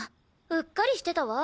うっかりしてたわ。